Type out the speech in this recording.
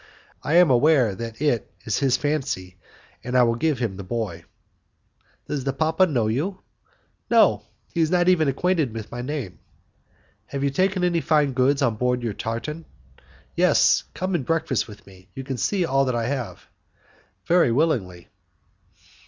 I am aware that it is his fancy and I will give him the boy." "Does the papa know you?" "No; he is not even acquainted with my name." "Have you any fine goods on board your tartan?" "Yes; come and breakfast with me; you can see all I have." "Very willingly."